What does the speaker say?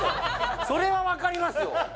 それは分かりますよ